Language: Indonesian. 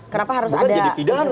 kenapa harus ada